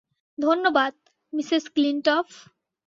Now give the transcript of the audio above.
ধন্যবাদ, মিসেস ক্লিনটফ।